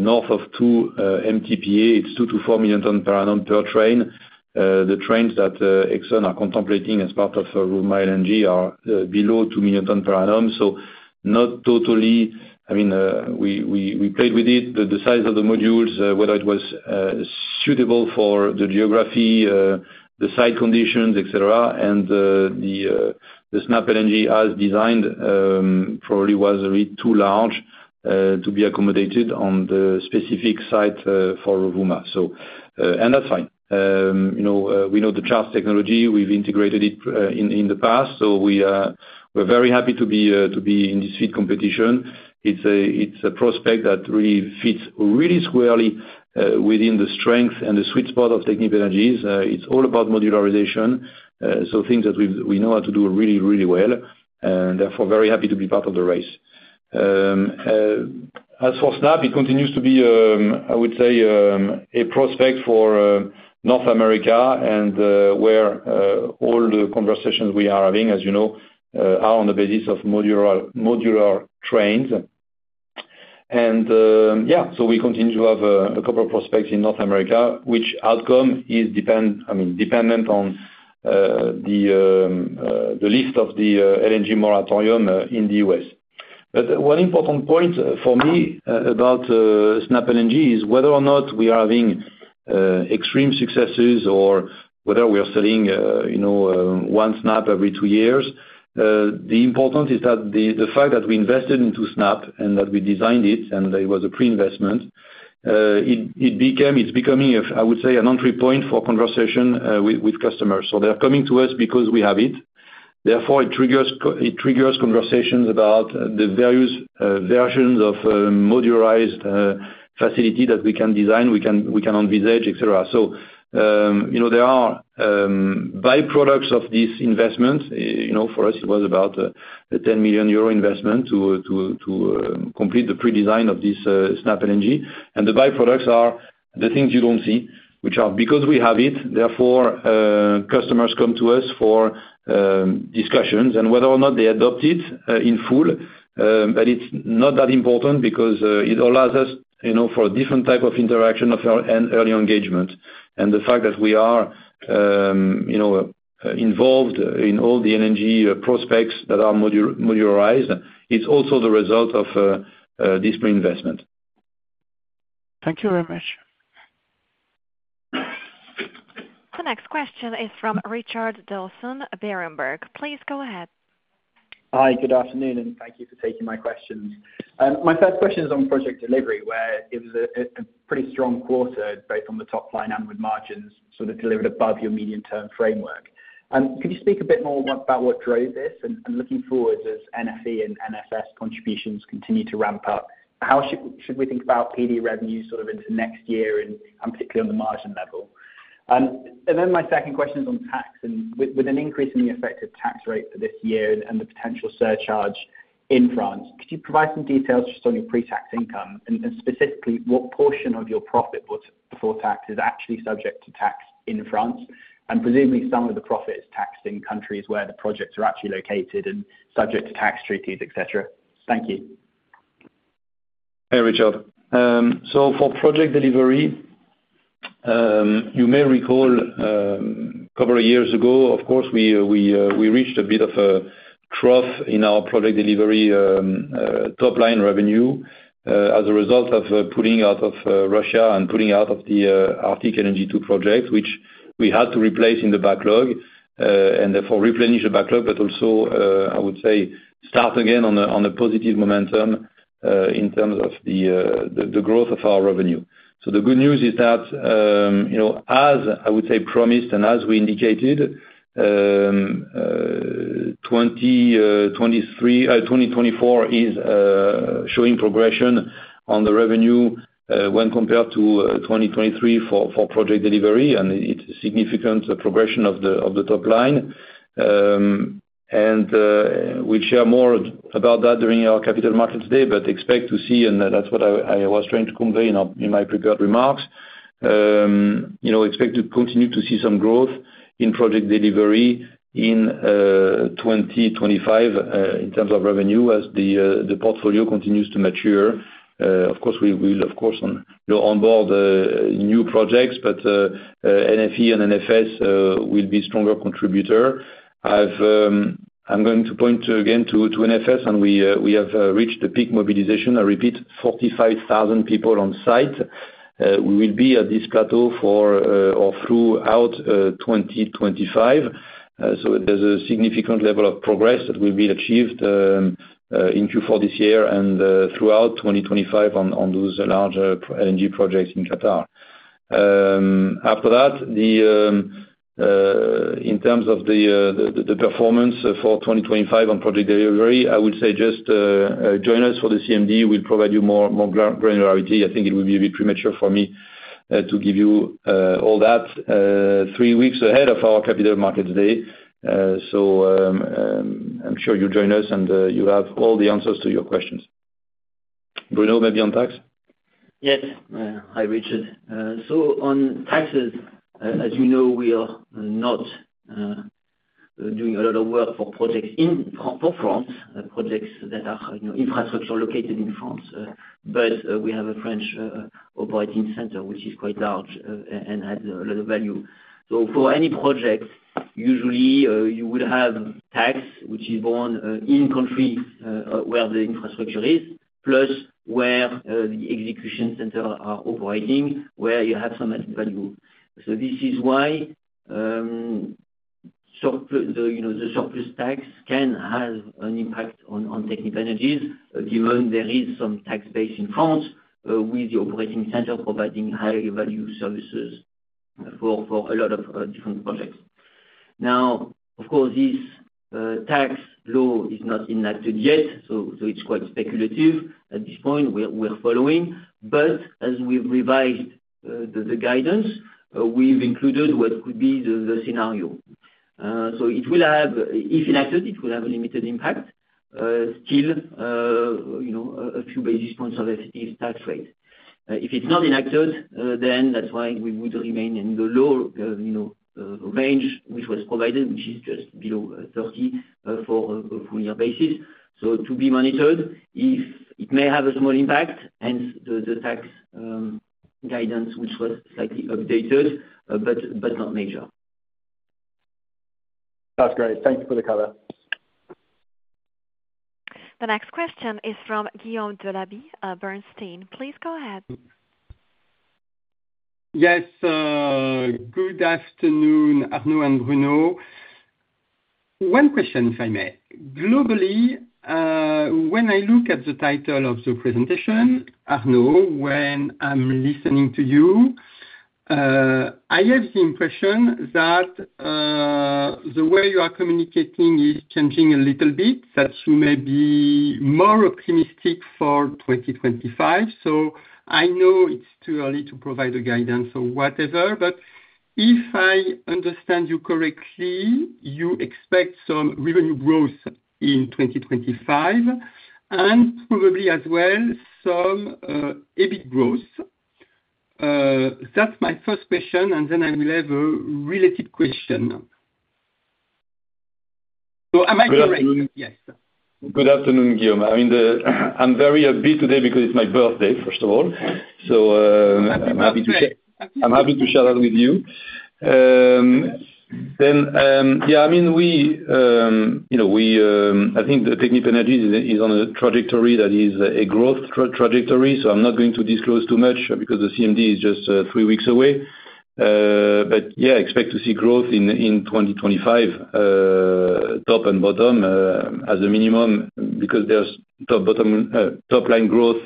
north of 2 MTPA. It's 2-4 million tonnes per annum per train. The trains that Exxon are contemplating as part of Rovuma LNG are below 2 million tonnes per annum. So, not totally, I mean, we played with it, the size of the modules, whether it was suitable for the geography, the site conditions, etc., and the SNAP LNG as designed probably was a bit too large to be accommodated on the specific site for Rovuma. So, and that's fine. We know the Chart technology. We've integrated it in the past. So, we're very happy to be in this FEED competition. It's a prospect that really fits really squarely within the strength and the sweet spot of Technip Energies. It's all about modularization, so things that we know how to do really, really well, and therefore, very happy to be part of the race. As for SNAP, it continues to be, I would say, a prospect for North America and where all the conversations we are having, as you know, are on the basis of modular trains. And yeah, so we continue to have a couple of prospects in North America, which outcome is, I mean, dependent on the lift of the LNG moratorium in the U.S. But one important point for me about SNAP LNG is whether or not we are having extreme successes or whether we are selling one SNAP every two years. The important is that the fact that we invested into SNAP and that we designed it, and it was a pre-investment, it's becoming, I would say, an entry point for conversation with customers. So, they're coming to us because we have it. Therefore, it triggers conversations about the various versions of modularized facility that we can design, we can envisage, etc. So, there are byproducts of this investment. For us, it was about a 10 million euro investment to complete the pre-design of this SNAP LNG. And the byproducts are the things you don't see, which are because we have it, therefore, customers come to us for discussions and whether or not they adopt it in full, but it's not that important because it allows us for a different type of interaction and early engagement. The fact that we are involved in all the LNG prospects that are modularized, it's also the result of this pre-investment. Thank you very much. The next question is from Richard Dawson, Berenberg. Please go ahead. Hi, good afternoon, and thank you for taking my questions. My first question is on project delivery, where it was a pretty strong quarter based on the top line and with margins sort of delivered above your medium-term framework. And could you speak a bit more about what drove this? And looking forward, as NFE and NFS contributions continue to ramp up, how should we think about PD revenues sort of into next year and particularly on the margin level? And then my second question is on tax. And with an increase in the effective tax rate for this year and the potential surcharge in France, could you provide some details just on your pre-tax income? And specifically, what portion of your profit before tax is actually subject to tax in France? Presumably, some of the profit is taxed in countries where the projects are actually located and subject to tax treaties, etc. Thank you. Hey, Richard, so for Project Delivery, you may recall a couple of years ago, of course, we reached a bit of a trough in our Project Delivery top line revenue as a result of pulling out of Russia and pulling out of the Arctic LNG 2 project, which we had to replace in the backlog and therefore replenish the backlog, but also, I would say, start again on a positive momentum in terms of the growth of our revenue, so the good news is that, as I would say, promised and as we indicated, 2024 is showing progression on the revenue when compared to 2023 for Project Delivery, and it's a significant progression of the top line. We'll share more about that during our capital markets day, but expect to see, and that's what I was trying to convey in my prepared remarks, expect to continue to see some growth in Project Delivery in 2025 in terms of revenue as the portfolio continues to mature. Of course, we will, of course, onboard new projects, but NFE and NFS will be stronger contributors. I'm going to point again to NFS, and we have reached the peak mobilization. I repeat, 45,000 people on site. We will be at this plateau for or throughout 2025. So, there's a significant level of progress that will be achieved in Q4 this year and throughout 2025 on those larger LNG projects in Qatar. After that, in terms of the performance for 2025 on Project Delivery, I would say just join us for the CMD. We'll provide you more granularity. I think it will be a bit premature for me to give you all that three weeks ahead of our Capital Markets Day. So, I'm sure you'll join us, and you'll have all the answers to your questions. Bruno, maybe on tax? Yes. Hi, Richard. So, on taxes, as you know, we are not doing a lot of work for projects for France, projects that are infrastructure located in France, but we have a French operating center, which is quite large and has a lot of value. So, for any project, usually, you would have tax, which is borne in country where the infrastructure is, plus where the execution centers are operating, where you have some added value. So, this is why the surplus tax can have an impact on Technip Energies, given there is some tax base in France with the operating center providing high-value services for a lot of different projects. Now, of course, this tax law is not enacted yet, so it's quite speculative at this point. We're following, but as we've revised the guidance, we've included what could be the scenario. If enacted, it will have a limited impact, still a few basis points of effective tax rate. If it's not enacted, then that's why we would remain in the low range which was provided, which is just below 30 for a full-year basis. To be monitored, it may have a small impact, and the tax guidance, which was slightly updated, but not major. That's great. Thank you for the coverage. The next question is from Guillaume Delaby, Bernstein. Please go ahead. Yes. Good afternoon, Arnaud and Bruno. One question, if I may. Globally, when I look at the title of the presentation, Arnaud, when I'm listening to you, I have the impression that the way you are communicating is changing a little bit, that you may be more optimistic for 2025. So, I know it's too early to provide a guidance or whatever, but if I understand you correctly, you expect some revenue growth in 2025 and probably as well some EBIT growth. That's my first question, and then I will have a related question. So, am I correct? Yes. Good afternoon, Guillaume. I mean, I'm very upbeat today because it's my birthday, first of all. So, I'm happy to share that with you. Then, yeah, I mean, I think Technip Energies is on a trajectory that is a growth trajectory, so I'm not going to disclose too much because the CMD is just three weeks away. But yeah, I expect to see growth in 2025, top and bottom as a minimum, because there's top line growth.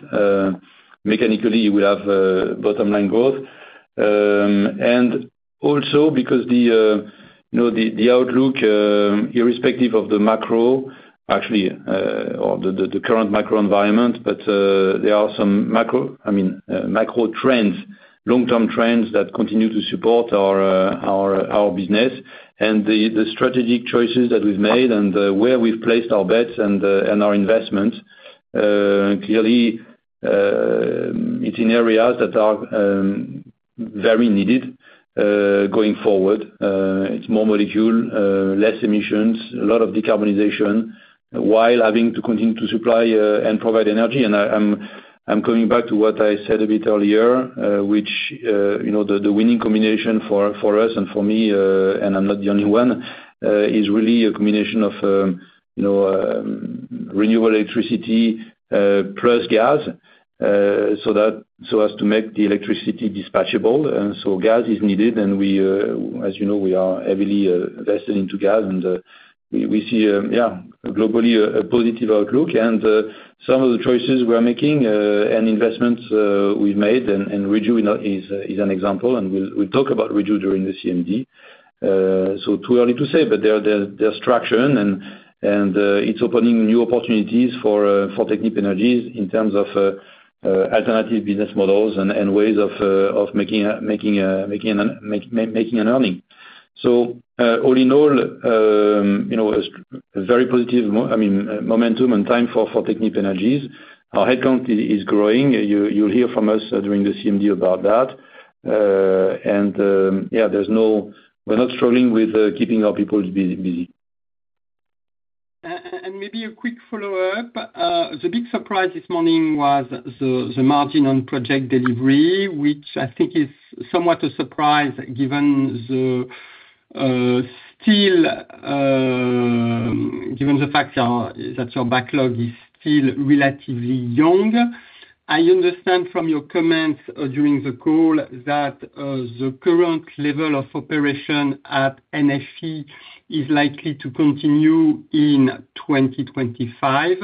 Mechanically, you will have bottom line growth. And also, because the outlook, irrespective of the macro, actually, or the current macro environment, but there are some, I mean, macro trends, long-term trends that continue to support our business and the strategic choices that we've made and where we've placed our bets and our investments. Clearly, it's in areas that are very needed going forward. It's more molecule, less emissions, a lot of decarbonization while having to continue to supply and provide energy. I'm coming back to what I said a bit earlier, which the winning combination for us and for me, and I'm not the only one, is really a combination of renewable electricity plus gas so as to make the electricity dispatchable. Gas is needed, and as you know, we are heavily invested into gas, and we see, yeah, globally a positive outlook. Some of the choices we are making and investments we've made, and Reju is an example, and we'll talk about Reju during the CMD. It's too early to say, but there's traction, and it's opening new opportunities for Technip Energies in terms of alternative business models and ways of making an earning. So, all in all, a very positive, I mean, momentum and time for Technip Energies. Our headcount is growing. You'll hear from us during the CMD about that. And yeah, we're not struggling with keeping our people busy. And maybe a quick follow-up. The big surprise this morning was the margin on project delivery, which I think is somewhat a surprise given the fact that your backlog is still relatively young. I understand from your comments during the call that the current level of operation at NFE is likely to continue in 2025.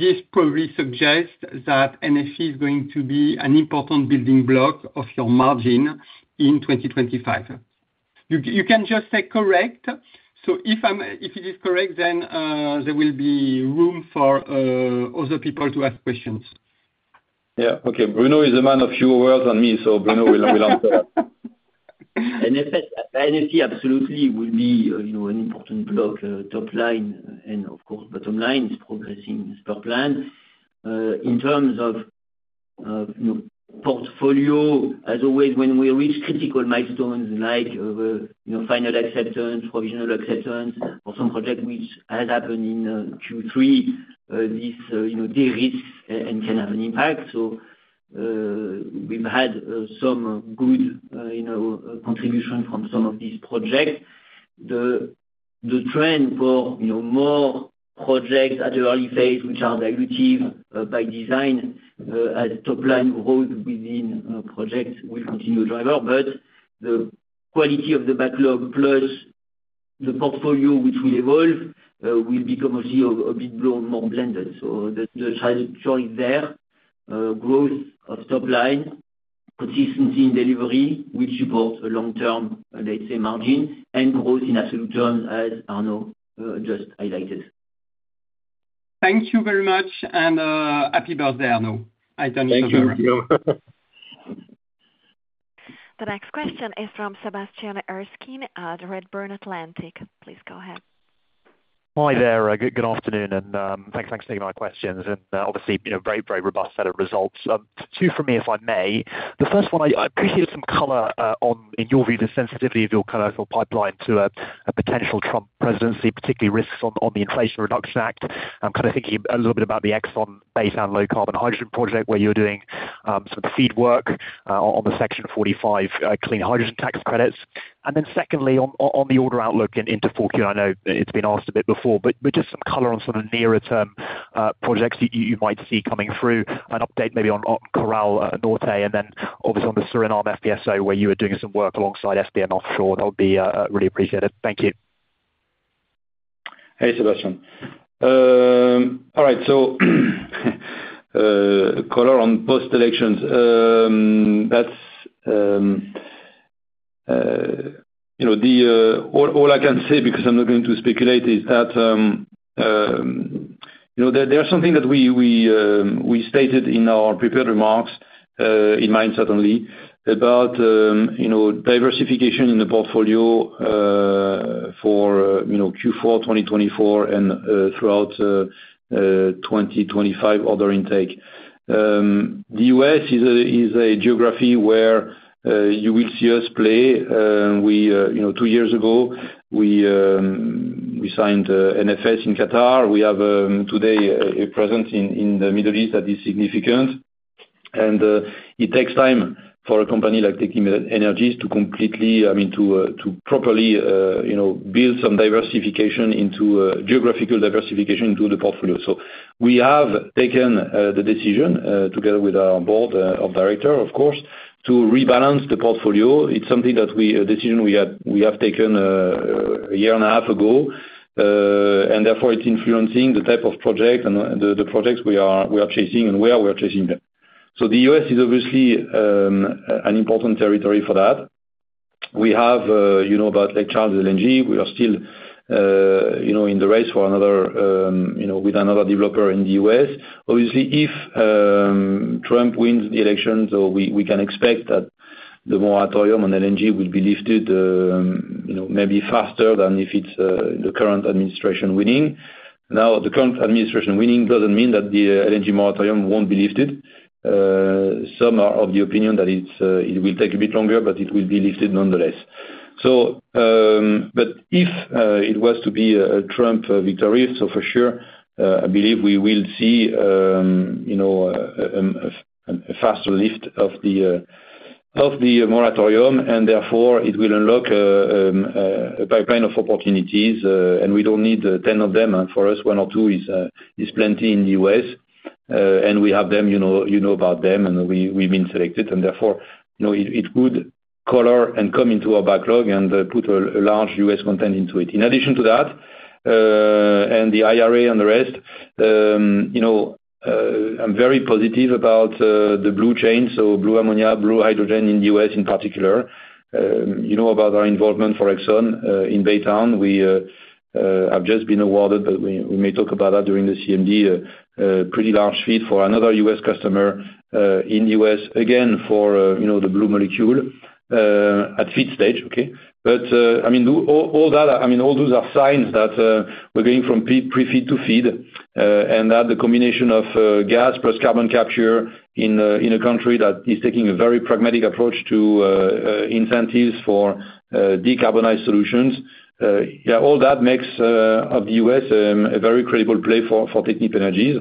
This probably suggests that NFE is going to be an important building block of your margin in 2025. You can just say correct. So, if it is correct, then there will be room for other people to ask questions. Yeah. Okay. Bruno is a man of few words than me, so Bruno will answer. NFE absolutely will be an important block, top line, and of course, bottom line is progressing per plan. In terms of portfolio, as always, when we reach critical milestones like final acceptance, provisional acceptance for some projects, which has happened in Q3, these risks can have an impact. So, we've had some good contribution from some of these projects. The trend for more projects at the early phase, which are dilutive by design, as top line grows within projects, will continue to drive. But the quality of the backlog plus the portfolio, which will evolve, will become a bit more blended. So, the trajectory there, growth of top line, consistency in delivery, will support long-term, let's say, margin and growth in absolute terms, as Arnaud just highlighted. Thank you very much, and happy birthday, Arnaud. I don't need to worry. Thank you. The next question is from Sebastian Erskine at Redburn Atlantic. Please go ahead. Hi there. Good afternoon, and thanks for taking my questions, and obviously, a very robust set of results. Two from me, if I may. The first one, I appreciate some color in your view, the sensitivity of your commercial pipeline to a potential Trump presidency, particularly risks on the Inflation Reduction Act. I'm kind of thinking a little bit about the Exxon Baytown and low carbon hydrogen project where you're doing some of the FEED work on the Section 45 clean hydrogen tax credits. And then secondly, on the order outlook into 4Q, and I know it's been asked a bit before, but just some color on some of the nearer-term projects you might see coming through, an update maybe on Coral North, and then obviously on the Suriname FPSO where you are doing some work alongside SBM Offshore. That would be really appreciated. Thank you. Hey, Sebastian. All right. So, color on post-elections. All I can say, because I'm not going to speculate, is that there's something that we stated in our prepared remarks, in mind, certainly, about diversification in the portfolio for Q4 2024 and throughout 2025 order intake. The U.S. is a geography where you will see us play. Two years ago, we signed NFS in Qatar. We have today a presence in the Middle East that is significant. And it takes time for a company like Technip Energies to completely, I mean, to properly build some diversification into geographical diversification into the portfolio. So, we have taken the decision together with our board of directors, of course, to rebalance the portfolio. It's a decision we have taken a year and a half ago, and therefore it's influencing the type of projects and the projects we are chasing and where we are chasing them, so the U.S. is obviously an important territory for that. We have Lake Charles LNG. We are still in the race with another developer in the U.S. Obviously, if Trump wins the election, so we can expect that the moratorium on LNG will be lifted maybe faster than if it's the current administration winning. Now, the current administration winning doesn't mean that the LNG moratorium won't be lifted. Some are of the opinion that it will take a bit longer, but it will be lifted nonetheless. But if it was to be a Trump victory, so for sure, I believe we will see a faster lift of the moratorium, and therefore it will unlock a pipeline of opportunities, and we don't need 10 of them. For us, one or two is plenty in the U.S., and we have them, you know about them, and we've been selected. And therefore, it could color and come into our backlog and put a large U.S. content into it. In addition to that, and the IRA and the rest, I'm very positive about the blue chain, so blue ammonia, blue hydrogen in the U.S. in particular. You know about our involvement for Exxon in Baytown. We have just been awarded, but we may talk about that during the CMD, a pretty large FEED for another U.S. customer in the U.S., again for the blue molecule at FEED stage, okay? But I mean, all that, I mean, all those are signs that we're going from pre-FEED to FEED, and that the combination of gas plus carbon capture in a country that is taking a very pragmatic approach to incentives for decarbonized solutions. Yeah, all that makes the U.S. a very credible play for Technip Energies.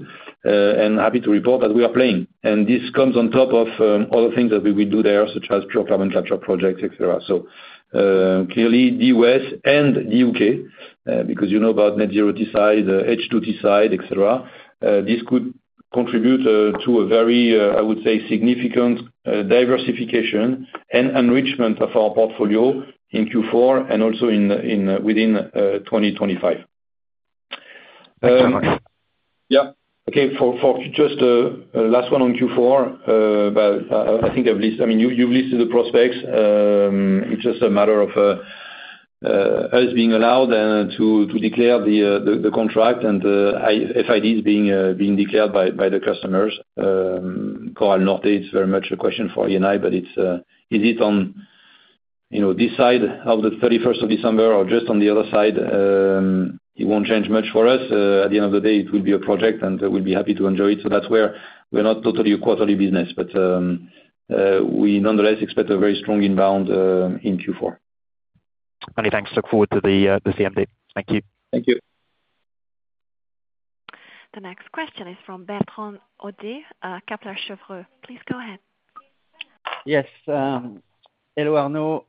And happy to report that we are playing. And this comes on top of other things that we will do there, such as pure carbon capture projects, etc. So, clearly, the U.S. and the U.K., because you know about Net Zero Teesside, H2 Teesside, etc., this could contribute to a very, I would say, significant diversification and enrichment of our portfolio in Q4 and also within 2025. Yeah. Okay. For just the last one on Q4, I think I've listed. I mean, you've listed the prospects. It's just a matter of us being allowed to declare the contract and FIDs being declared by the customers. Coral North, it's very much a question for you and I, but is it on this side of the 31st of December or just on the other side? It won't change much for us. At the end of the day, it will be a project, and we'll be happy to enjoy it. So that's where we're not totally a quarterly business, but we nonetheless expect a very strong inbound in Q4. Many thanks. Look forward to the CMD. Thank you. Thank you. The next question is from Bertrand Hodee, Kepler Cheuvreux. Please go ahead. Yes. Hello, Arnaud.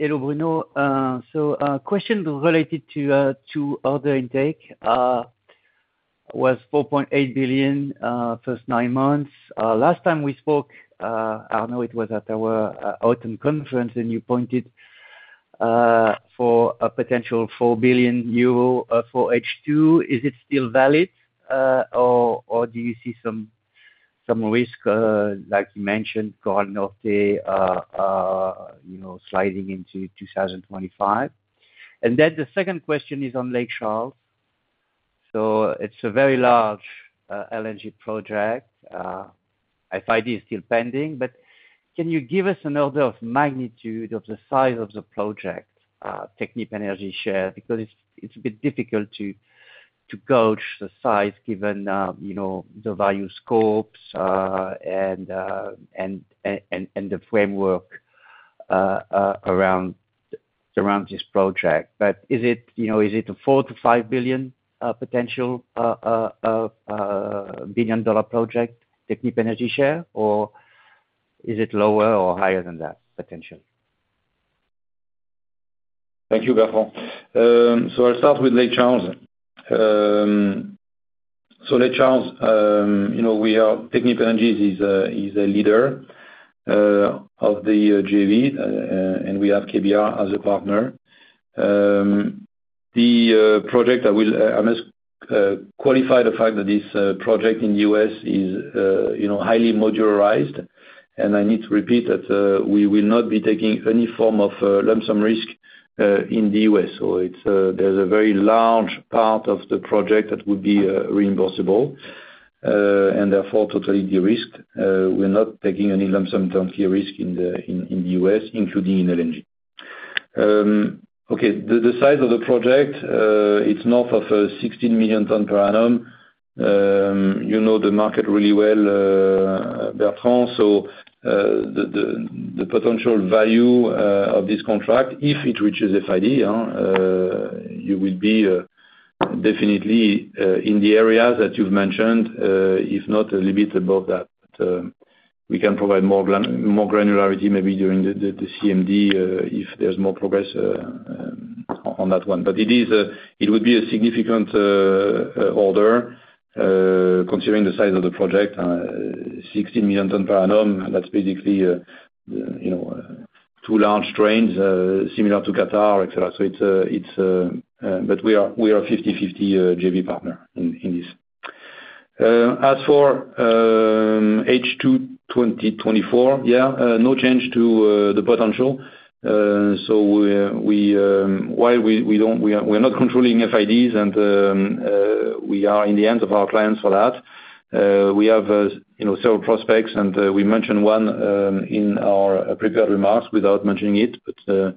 Hello, Bruno. So, a question related to order intake was 4.8 billion first nine months. Last time we spoke, Arnaud, it was at our autumn conference, and you pointed for a potential 4 billion euro for H2. Is it still valid, or do you see some risk, like you mentioned, Coral North sliding into 2025? And then the second question is on Lake Charles. So, it's a very large LNG project. FID is still pending, but can you give us an order of magnitude of the size of the project, Technip Energies' share? Because it's a bit difficult to gauge the size given the value scopes and the framework around this project. But is it a $4-$5 billion potential billion-dollar project, Technip Energies' share, or is it lower or higher than that, potentially? Thank you, Bertrand. I'll start with Lake Charles. Lake Charles, we at Technip Energies are a leader of the JV, and we have KBR as a partner. The project, I must qualify the fact that this project in the US is highly modularized, and I need to repeat that we will not be taking any form of lump sum risk in the US. There's a very large part of the project that would be reimbursable and therefore totally de-risked. We're not taking any lump sum turnkey risk in the US, including in LNG. Okay. The size of the project, it's north of 16 million tonnes per annum. You know the market really well, Bertrand. The potential value of this contract, if it reaches FID, you will be definitely in the areas that you've mentioned, if not a little bit above that. We can provide more granularity maybe during the CMD if there's more progress on that one, but it would be a significant order considering the size of the project. 16 million tonnes per annum, that's basically two large trains similar to Qatar, etc., but we are a 50/50 JV partner in this. As for H2 2024, yeah, no change to the potential. While we are not controlling FIDs and we are in the hands of our clients for that, we have several prospects, and we mentioned one in our prepared remarks without mentioning it, but the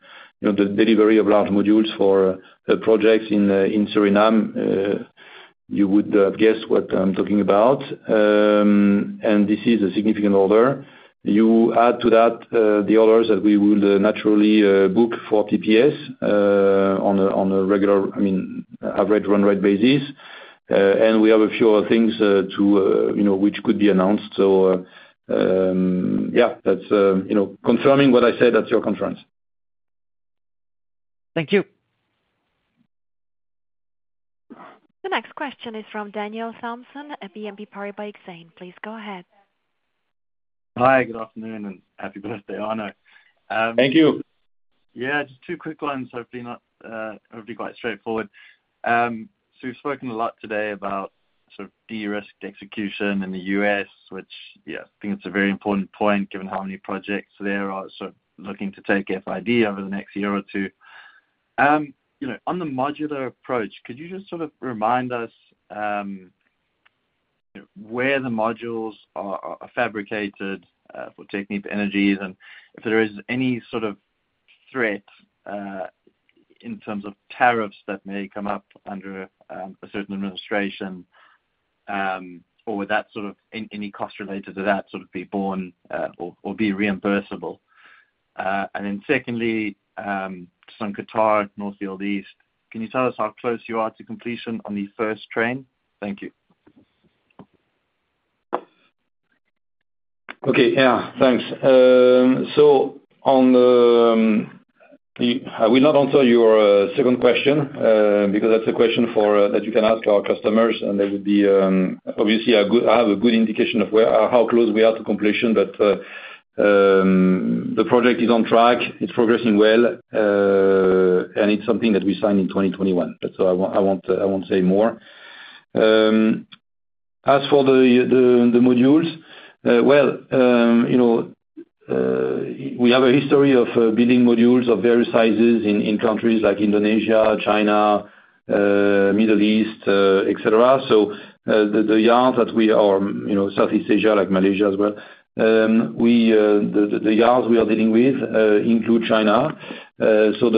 delivery of large modules for projects in Suriname, you would have guessed what I'm talking about. This is a significant order. You add to that the orders that we will naturally book for TPS on a regular, I mean, average run rate basis. We have a few other things which could be announced. Yeah, confirming what I said at your conference. Thank you. The next question is from Daniel Thomson, BNP Paribas Exane. Please go ahead. Hi, good afternoon, and happy birthday, Arnaud. Thank you. Yeah, just two quick ones, hopefully quite straightforward. So, we've spoken a lot today about sort of de-risked execution in the U.S., which, yeah, I think it's a very important point given how many projects there are sort of looking to take FID over the next year or two. On the modular approach, could you just sort of remind us where the modules are fabricated for Technip Energies, and if there is any sort of threat in terms of tariffs that may come up under a certain administration, or would any cost related to that sort of be borne or be reimbursable? And then secondly, to the Qatar North Field, Middle East, can you tell us how close you are to completion on the first train? Thank you. Okay. Yeah. Thanks. So, I will not answer your second question because that's a question that you can ask our customers, and they would obviously have a good indication of how close we are to completion, but the project is on track. It's progressing well, and it's something that we signed in 2021. So, I won't say more. As for the modules, well, we have a history of building modules of various sizes in countries like Indonesia, China, Middle East, etc. So, the yards that we are in Southeast Asia, like Malaysia as well, the yards we are dealing with include China. So,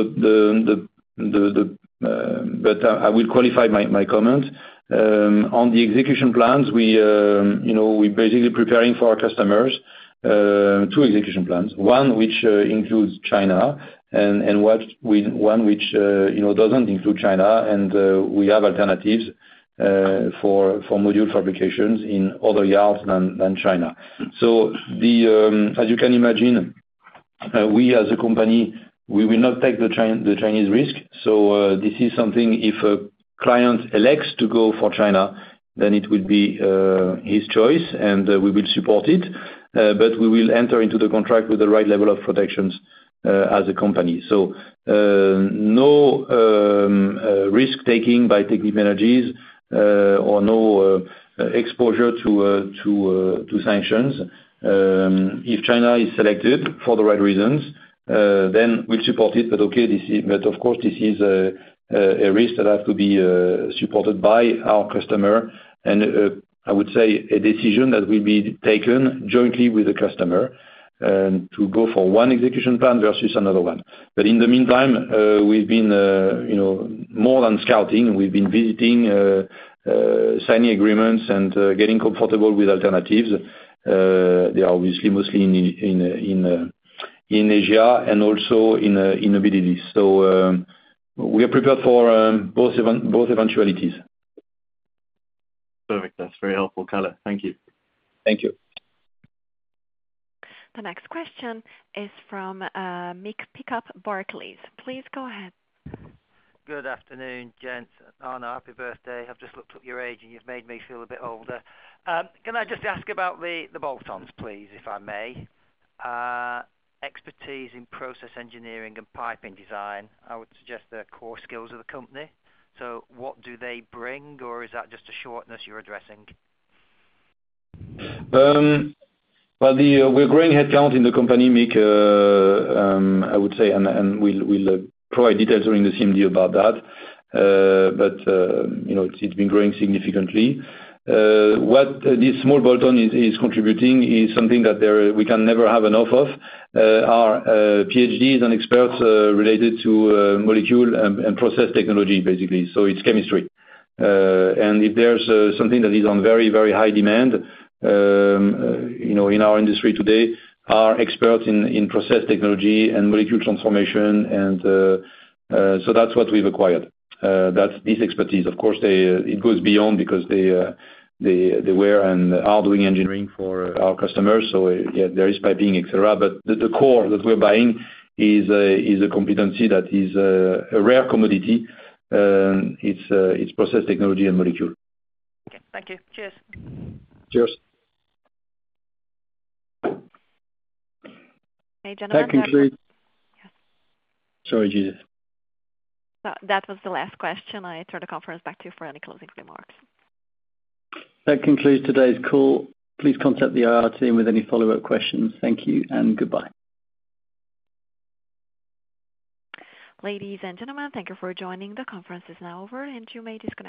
but I will qualify my comment. On the execution plans, we're basically preparing for our customers two execution plans. One which includes China and one which doesn't include China, and we have alternatives for module fabrications in other yards than China. As you can imagine, we as a company, we will not take the Chinese risk. This is something if a client elects to go for China, then it would be his choice, and we will support it, but we will enter into the contract with the right level of protections as a company. No risk-taking by Technip Energies or no exposure to sanctions. If China is selected for the right reasons, then we'll support it. Of course, this is a risk that has to be supported by our customer, and I would say a decision that will be taken jointly with the customer to go for one execution plan versus another one. In the meantime, we've been more than scouting. We've been visiting, signing agreements, and getting comfortable with alternatives. They are obviously mostly in Asia and also in the Middle East. We are prepared for both eventualities. Perfect. That's very helpful, Color. Thank you. Thank you. The next question is from Mick Pickup, Barclays. Please go ahead. Good afternoon, gents. Arnaud, happy birthday. I've just looked at your age, and you've made me feel a bit older. Can I just ask about the bolt-ons, please, if I may? Expertise in process engineering and piping design, I would suggest the core skills of the company. So, what do they bring, or is that just a shortage you're addressing? We're growing headcount in the company, Mick. I would say, and we'll provide details during the CMD about that. It's been growing significantly. What this small bolt-on is contributing is something that we can never have enough of: our PhDs and experts related to molecule and process technology, basically. It's chemistry. If there's something that is on very, very high demand in our industry today, our experts in process technology and molecule transformation, and so that's what we've acquired. That's this expertise. Of course, it goes beyond because they were and are doing engineering for our customers. Yeah, there is piping, etc. The core that we're buying is a competency that is a rare commodity. It's process technology and molecule. Okay. Thank you. Cheers. Cheers. Hey, General. Thank you, Chloe. Yes. Sorry, Chloe. That was the last question. I turn the conference back to you for any closing remarks. Thank you, Chloe. Today's call. Please contact the IR team with any follow-up questions. Thank you and goodbye. Ladies and gentlemen, thank you for joining. The conference is now over, and you may just go.